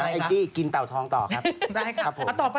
ไอ้กี้กินเต่าท้องต่อครับ